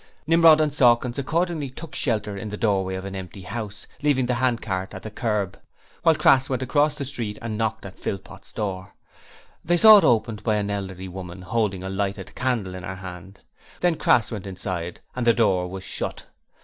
Nimrod and Sawkins accordingly took shelter in the doorway of an empty house, leaving the handcart at the kerb, while Crass went across the street and knocked at Philpot's door. They saw it opened by an elderly woman holding a lighted candle in her hand; then Crass went inside and the door was shut.